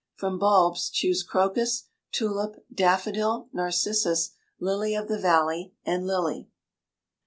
From bulbs choose crocus, tulip, daffodil, narcissus, lily of the valley, and lily.